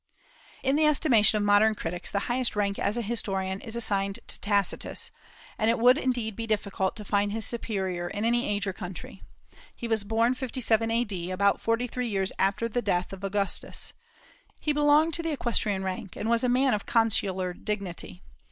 In the estimation of modern critics the highest rank as an historian is assigned to Tacitus, and it would indeed be difficult to find his superior in any age or country. He was born 57 A.D., about forty three years after the death of Augustus. He belonged to the equestrian rank, and was a man of consular dignity.